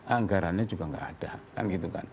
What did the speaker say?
anggarannya juga tidak ada